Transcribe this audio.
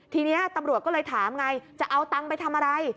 ทีนี้ตำรวจก็เลยถามไงจะเอาตังค์ไปทำอะไร